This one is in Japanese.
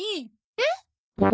えっ？